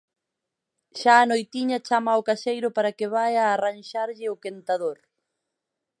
Xa á noitiña chama ao caseiro para que vaia arranxarlle o quentador.